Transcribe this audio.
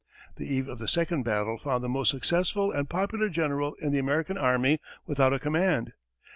The eve of the second battle found the most successful and popular general in the American army without a command.